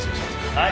はい。